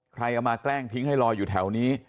ใครเอามาแกล้งทิ้งให้ลอยอยู่แถวนี้